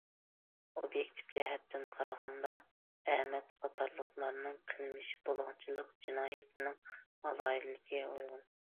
ئوبيېكتىپ جەھەتتىن قارىغاندا، ئەمەت قاتارلىقلارنىڭ قىلمىشى بۇلاڭچىلىق جىنايىتىنىڭ ئالاھىدىلىكىگە ئۇيغۇن.